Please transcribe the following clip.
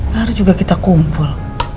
hari juga kita kumpul